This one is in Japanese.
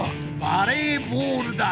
バレーボールだ！